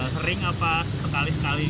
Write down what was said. sering apa sekali sekali